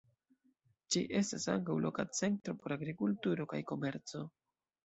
Ĝi estas ankaŭ loka centro por agrikulturo kaj komerco.